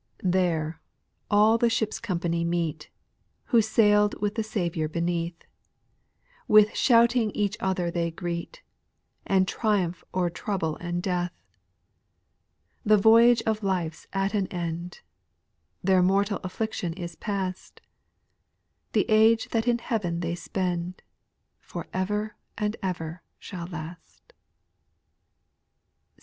8. There all the ship's company meet. Who saiPd with the Saviour beneath ; With shouting each other they greet. And triumph o'er trouble and death : The voyage of life 's at an end, Their mortal affliction is past ; The age that in heaven they spend. For ever and ever shall last.